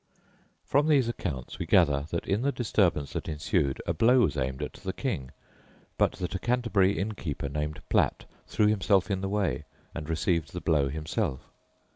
From these accounts we gather that in the disturbance that ensued a blow was aimed at the King, but that a Canterbury innkeeper named Platt threw himself in the way and received the blow himself.